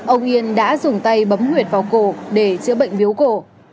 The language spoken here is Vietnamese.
ông yên đã dùng tay bấm huyệt vào cổ để chữa bệnh biếu cổ